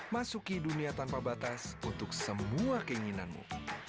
masuki dunia tanpa batas untuk semua keinginanmu